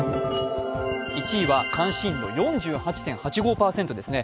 １位は、関心度４８．８５％ですね。